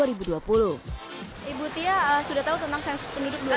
ibu tia sudah tahu tentang sensus penduduk dua ribu